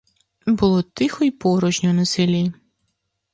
Було тихо й порожньо на селі.